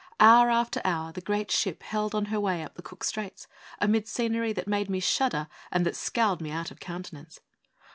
Hour after hour the great ship held on her way up the Cook Straits amidst scenery that made me shudder and that scowled me out of countenance.